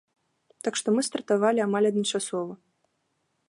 Так што мы стартавалі амаль адначасова.